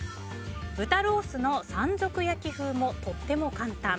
豚ロースの山賊焼き風もとっても簡単。